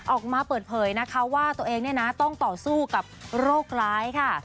ออกมาเปิดเผยนะคะว่าตัวเองเนี่ยนะต้องต่อสู้กับโรคร้ายค่ะ